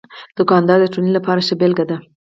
دوکاندار د ټولنې لپاره ښه بېلګه ده.